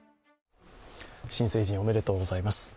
新成人、おめでとうございます。